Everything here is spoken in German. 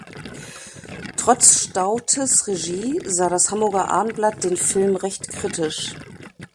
Trotz Staudtes Regie sah das "Hamburger Abendblatt" den Film recht kritisch.